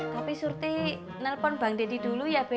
tapi surti nelpon bang deddy dulu ya